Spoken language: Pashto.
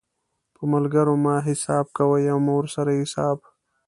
په ملګرو مه حساب کوئ او مه ورسره حساب